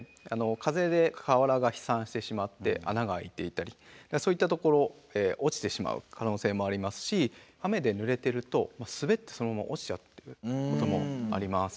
風で瓦が飛散してしまって穴が開いていたりそういったところ落ちてしまう可能性もありますし雨でぬれてると滑ってそのまま落ちちゃうということもあります。